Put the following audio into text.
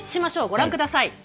ご覧ください。